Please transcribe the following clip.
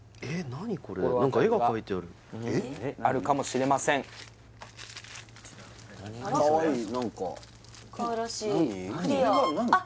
絵あるかもしれません何？